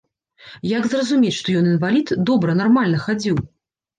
Як зразумець, што ён інвалід, добра, нармальна хадзіў.